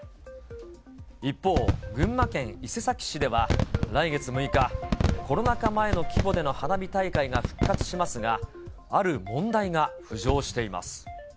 一方、群馬県伊勢崎市では、来月６日、コロナ禍前の規模での花火大会が復活しますが、ある問題が浮上しています。